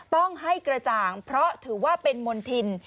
ต้องให้กระจ่างเพราะถือว่าเป็นมณฑิน